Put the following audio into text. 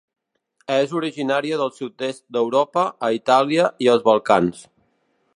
És originària del sud-est d'Europa a Itàlia i els Balcans.